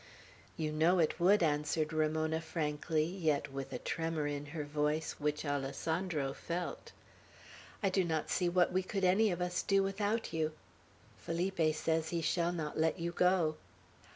"You know it would," answered Ramona, frankly, yet with a tremor in her voice, which Alessandro felt. "I do not see what we could any of us do without you. Felipe says he shall not let you go."